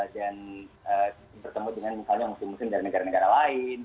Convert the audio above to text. dan bertemu dengan misalnya muslim muslim dari negara negara lain